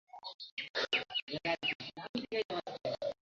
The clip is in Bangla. তখন অবনীশ সাতচল্লিশ।